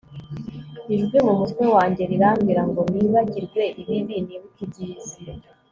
ijwi mumutwe wanjye rirambwira ngo nibagirwe ibibi nibuke ibyiza